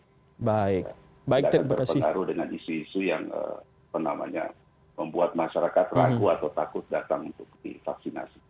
tidak akan terpengaruh dengan isu isu yang membuat masyarakat ragu atau takut datang untuk divaksinasi